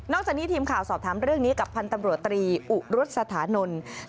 จากนี้ทีมข่าวสอบถามเรื่องนี้กับพันธ์ตำรวจตรีอุรุษสถานนท์